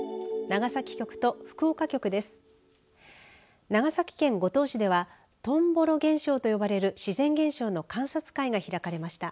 長崎県五島市ではトンボロ現象と呼ばれる自然現象の観察会が開かれました。